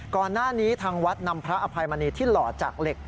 ก่อนหน้านี้ทางวัดนำพระอภัยมณีที่หล่อจากเหล็ก